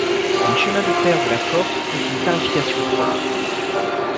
Les chemins de fer de la Corse ont une tarification propre.